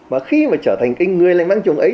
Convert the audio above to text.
và khi mà trở thành cái người lành mang chủng ấy